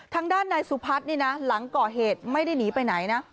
ทางด้านนายสุพัฒน์นี่นะหลังก่อเหตุไม่ได้หนีไปไหนนะ